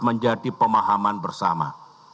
menjadi pemahaman bersama